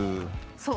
そう。